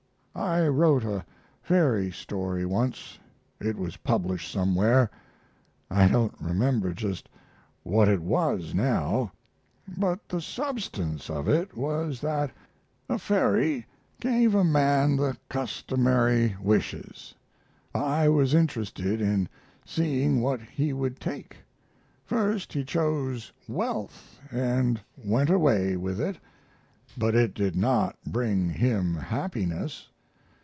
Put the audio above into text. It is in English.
I wrote a fairy story once. It was published somewhere. I don't remember just what it was now, but the substance of it was that a fairy gave a man the customary wishes. I was interested in seeing what he would take. First he chose wealth and went away with it, but it did not bring him happiness.